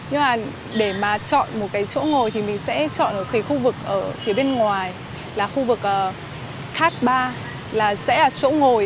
nhưng mà để mà chọn một cái chỗ ngồi thì mình sẽ chọn ở cái khu vực ở phía bên ngoài là khu vực thác ba là sẽ là chỗ ngồi